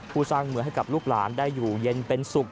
สร้างเมืองให้กับลูกหลานได้อยู่เย็นเป็นสุข